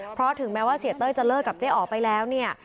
เพราะถึงแม้ว่าเสียเต้ยจะเลิกกับเจ๊อ๋อไปแล้วเนี่ย